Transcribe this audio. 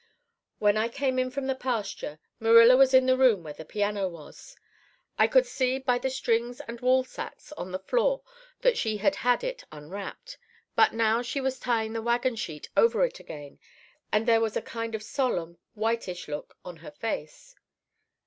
"When I came in from the pasture, Marilla was in the room where the piano was. I could see by the strings and woolsacks on the floor that she had had it unwrapped. But now she was tying the wagon sheet over it again, and there was a kind of solemn, whitish look on her face.